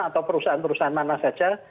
atau perusahaan perusahaan mana saja